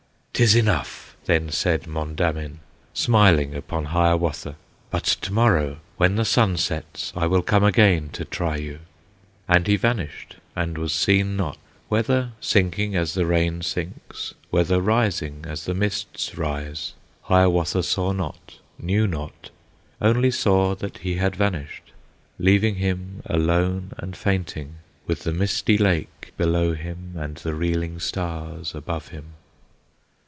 "'T is enough!" then said Mondamin, Smiling upon Hiawatha, "But tomorrow, when the sun sets, I will come again to try you." And he vanished, and was seen not; Whether sinking as the rain sinks, Whether rising as the mists rise, Hiawatha saw not, knew not, Only saw that he had vanished, Leaving him alone and fainting, With the misty lake below him, And the reeling stars above him.